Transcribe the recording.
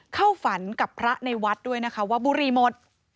เข้าฝันกับพระในวัดด้วยนะคะว่าบุรีหมด